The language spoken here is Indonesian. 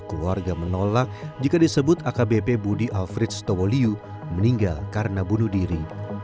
keluarga menolak jika disebut akbp budi alfred stowoliu meninggal karena bunuh diri